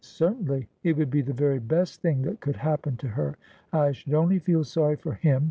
' Certainly. It would be the very best thing that could happen to her. I should only feel sorry for him.